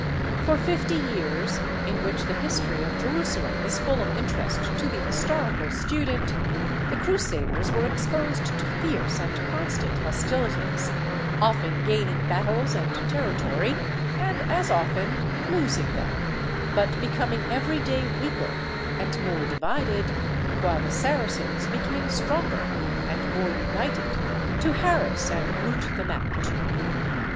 For fifty years, in which the history of Jerusalem is full of interest to the historical student, the Crusaders were exposed to fierce and constant hostilities, often gaining battles and territory, and as often losing them, but becoming every day weaker and more divided, while the Saracens became stronger and more united to harass and root them out.